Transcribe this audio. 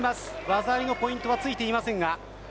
技ありのポイントはついていませんが。